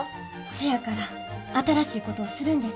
せやから新しいことをするんです。